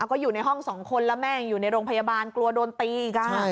ก็อยู่ในห้องสองคนแล้วแม่ยังอยู่ในโรงพยาบาลกลัวโดนตีอีก